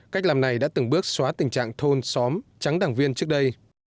cách làm này đã từng bước xóa tình trạng thôn xóm trắng đảng viên trước đây